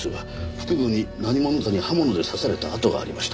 腹部に何者かに刃物で刺された跡がありました。